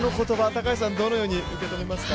高橋さんはどのように受け止めますか？